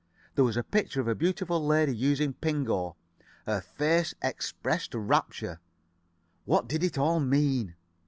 There was a picture of a beautiful lady using Pingo, her face expressing rapture. What did it all mean?